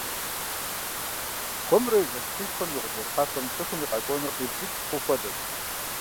Хуэмурэ ежэх псышхуэм и гъуджэ щхьэфэм цӏыхум и къэкӏуэнур къибджыкӏ хъу хуэдэт.